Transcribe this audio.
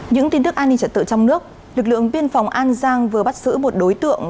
những tin tức an ninh trật tự trong nước lực lượng biên phòng an giang vừa bắt giữ một đối tượng